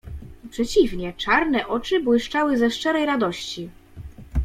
"Przeciwnie, czarne oczy błyszczały ze szczerej radości."